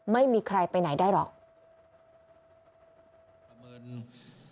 ไม่มีใครไปไหนได้หรอก